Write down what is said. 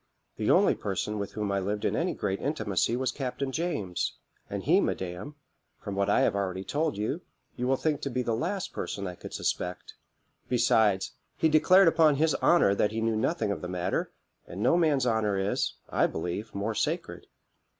The only person with whom I lived in any great intimacy was Captain James, and he, madam, from what I have already told you, you will think to be the last person I could suspect; besides, he declared upon his honour that he knew nothing of the matter, and no man's honour is, I believe, more sacred.